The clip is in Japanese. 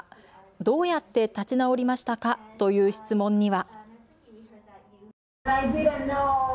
どうやって立ち直りましたかという質問には。